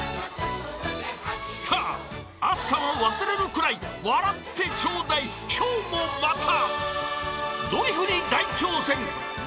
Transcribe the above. ［さあ暑さも忘れるくらい笑ってちょうだい今日もまた］